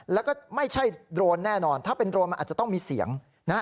แล้วก็ไม่ใช่โดรนแน่นอนถ้าเป็นโรนมันอาจจะต้องมีเสียงนะฮะ